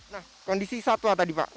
nah kondisi satwa tadi pak